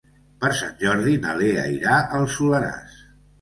Per Sant Jordi na Lea irà al Soleràs.